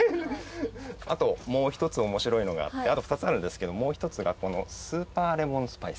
あともう１つ面白いのがあってあと２つあるんですけどもう１つがこのスーパーレモンスパイス。